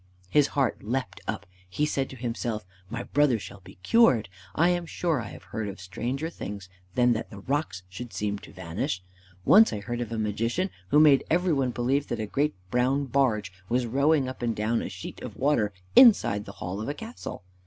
His heart leapt up. He said to himself, "My brother shall be cured. I am sure I have heard of stranger things than that the rocks should seem to vanish. Once I heard of a Magician who made every one believe that a great brown barge was rowing up and down a sheet of water inside the hall of a castle!